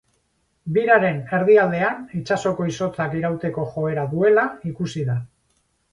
Biraren erdialdean itsasoko izotzak irauteko joera duela ikusi da.